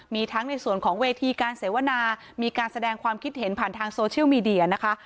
มีทั้งในส่วนของเวทีการเสวนามีการแสดงความคิดเห็นผ่านทางโซเชียลมีเดียนะคะ